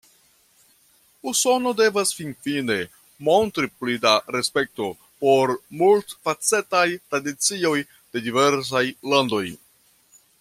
Usono devas finfine montri pli da respekto por multfacetaj tradicioj de diversaj landoj.